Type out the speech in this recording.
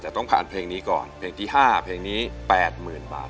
จะต้องผ่านเพลงนี้ก่อนเพลงที่ห้าเพลงนี้แปดหมื่นบาท